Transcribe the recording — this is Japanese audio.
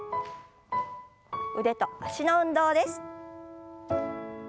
腕と脚の運動です。